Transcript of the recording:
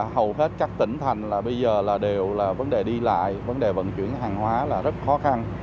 hầu hết các tỉnh thành là bây giờ là đều là vấn đề đi lại vấn đề vận chuyển hàng hóa là rất khó khăn